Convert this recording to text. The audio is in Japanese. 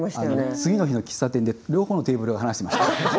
次の日の喫茶店で両方のテーブルが話してました。